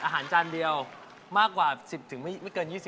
อาหารจานเดียวมากกว่า๑๐ถึงไม่เกิน๒๐บาท